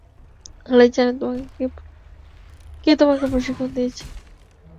আল্লাহই জানে কে তোমাকে প্রশিক্ষণ দিয়েছে।